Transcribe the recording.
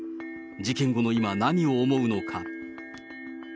事件後の今、何を思うのか。